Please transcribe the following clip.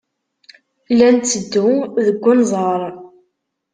La netteddu deg unẓar.